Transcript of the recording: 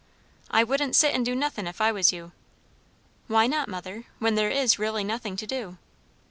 "I wouldn't sit and do nothin', if I was you." "Why not, mother? when there is really nothing to do."